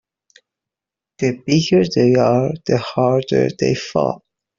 The bigger they are the harder they fall.